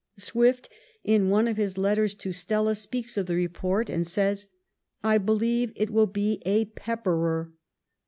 Swift, in one of his letters to Stella, speaks of the report and says, ' I believe it will be a pepperer.'